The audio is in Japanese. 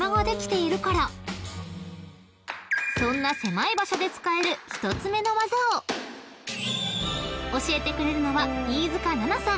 ［そんな狭い場所で使える１つ目の技を教えてくれるのは］